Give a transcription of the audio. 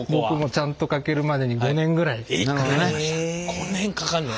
５年かかんねや！